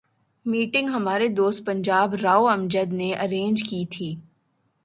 Meeting ہمارے دوست پنجاب راؤ امجد نے ارینج کی تھی۔